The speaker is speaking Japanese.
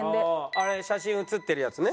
あれ写真写ってるやつね。